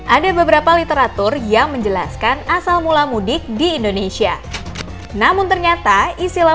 ada beberapa literatur yang menjelaskan asal mula mudik di indonesia namun ternyata istilah